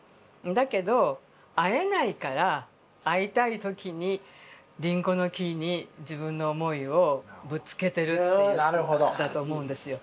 だけど逢えないから逢いたい時に林檎の木に自分の思いをぶつけてるっていう句だと思うんですよ。